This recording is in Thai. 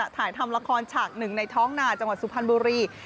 ถ่ายทำละครฉากหนึ่งในท้องนาจังหวัดสุพรรณบุรี